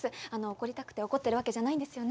怒りたくて怒ってるわけじゃないんですよね。